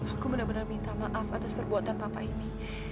aku benar benar minta maaf atas perbuatan papa ini